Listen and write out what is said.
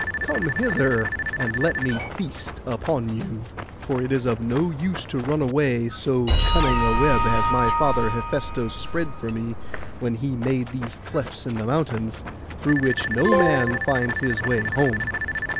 Come hither, and let me feast upon you; for it is of no use to run away, so cunning a web has my father Hephaistos spread for me when he made these clefts in the mountains, through which no man finds his way home.